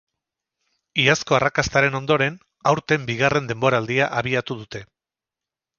Iazko arrakastaren ondoren, aurten bigarren denboraldia abiatu dute.